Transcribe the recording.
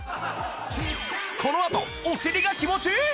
このあとお尻が気持ちいい！